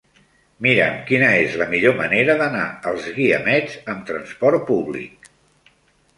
Mira'm quina és la millor manera d'anar als Guiamets amb trasport públic.